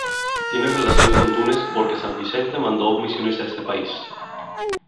Tiene relación con Túnez porque San Vicente mandó misiones a este país.